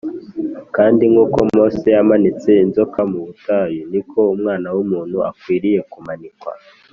“Kandi nk’uko Mose yamanitse inzoka mu butayu, ni ko Umwana w’umuntu akwiriye kumanikwa